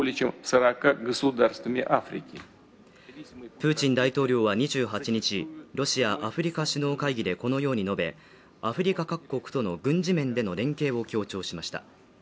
プーチン大統領は２８日ロシア・アフリカ首脳会議でこのように述べアフリカ各国との軍事面での連携を強調しました